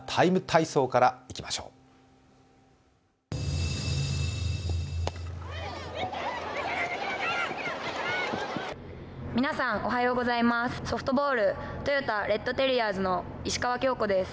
「ＴＨＥＴＩＭＥ，体操」からいきましょう皆さん、おはようございますソフトボールレッドテリアーズの石川恭子です。